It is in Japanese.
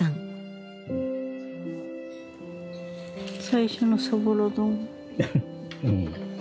最初のそぼろ丼。